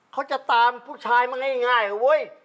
เขาจะตามผู้ชายมาง่ายอะเว้ย